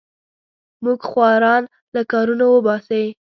موږ خواران له کارونو وباسې.